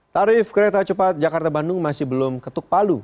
tarif kereta cepat jakarta bandung masih belum ketuk palu